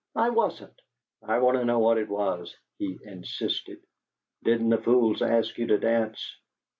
"I wasn't." "I want to know what it was," he insisted. "Didn't the fools ask you to dance?